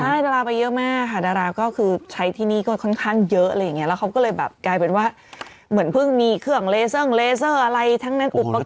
ใช่ดาราไปเยอะมากค่ะดาราก็คือใช้ที่นี้ก็ค่อนข้างเยอะแล้วเขาก็เลยแบบกลายเป็นว่าเหมือนเผื่อมีเครื่องเลเซอร์มารอะไรโอปกรณ์ทุกข้างคือมันแพง